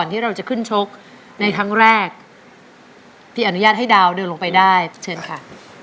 ที่เราจะขึ้นชกในครั้งแรกที่อนุญาตให้ดาวเดินลงไปได้เชิญค่ะ